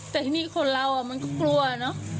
แต่นี่คนเรามันก็กลัวนะ